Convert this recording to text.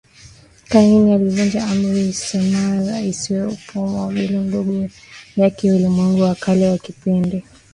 Kaini alivunja Amri isemayo usiue alipomuua Habili ndugu yake Ulimwengu wa kale wa kipindi